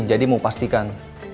jadi mau pastikan